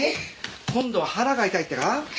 今度は腹が痛いってか？